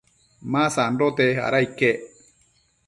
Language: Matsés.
ma sandote, ada iquec